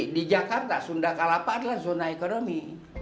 di jakarta sunda kelapa adalah zona ekonomi